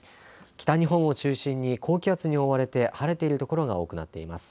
北日本を中心に高気圧に覆われて晴れている所が多くなっています。